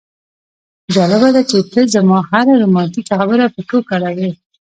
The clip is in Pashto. جالبه ده چې ته زما هره رومانتیکه خبره په ټوکه اړوې